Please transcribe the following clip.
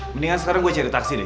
mendingan sekarang gue cari taksi nih